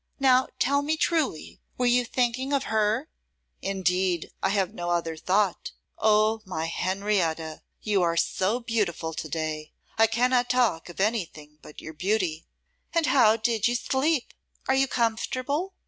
Now tell me truly, were you thinking of her?' 'Indeed, I have no other thought. Oh, my Henrietta! you are so beautiful to day. I cannot talk of anything but your beauty.' 'And how did you sleep? Are you comfortable?